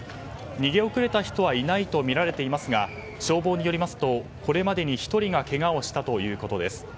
逃げ遅れた人はいないとみられていますが消防によりますとこれまでに１人がけがをしたということです。